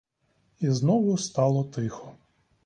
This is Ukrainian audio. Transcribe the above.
І знову стало тихо.